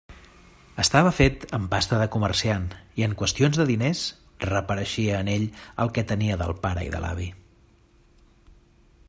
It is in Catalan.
Estava fet amb pasta de comerciant, i en qüestions de diners reapareixia en ell el que tenia del pare i de l'avi.